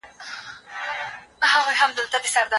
هغې بېرته ځمکې ته راستنه شوه.